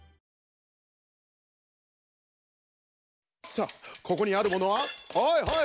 さあここにあるものははいはい！